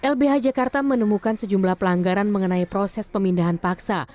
lbh jakarta menemukan sejumlah pelanggaran mengenai proses pemindahan paksa